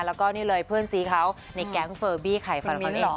แล้วก็นี่เลยเพื่อนซีเขาในแก๊งเฟอร์บี้ไข่ฟาลาคอนเองคุณมิ้นหรอ